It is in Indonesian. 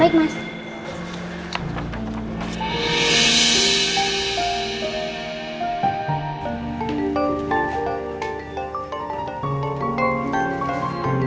terima kasih pak